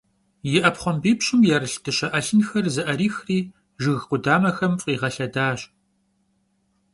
Yi 'epxhuambipş'ım ya'erılh dışe 'elhınxeri zı'erixri jjıg khudamexem f'iğelhedaş.